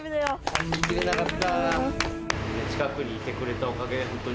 走りきれなかった。